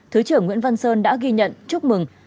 thứ trưởng nguyễn văn sơn đã ghi nhận chúc mừng